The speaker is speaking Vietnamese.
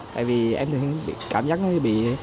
tại vì em thường xin cảm giác như vậy